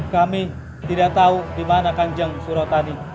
kami tidak tahu dimana kanjang suratadi